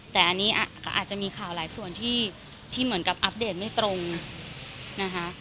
แต่อันนี้ก็อาจจะมีข่าวหลายส่วนที่เหมือนกับอัปเดตไม่ตรงนะคะ